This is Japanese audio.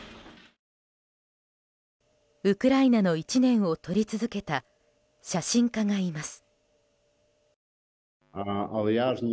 ウクライナの１年を撮り続けた写真家がいます。